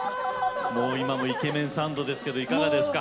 今もイケメンサンドですけどいかがですか？